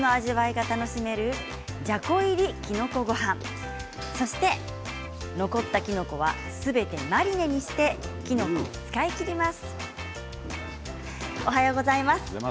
きょうご紹介するのは４種類のきのこの味わいが楽しめるじゃこ入りきのこごはんにそして残ったきのこはすべてマリネにしてきのこを使い切ります。